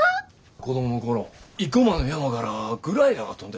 子供の頃生駒の山からグライダーが飛んでてな。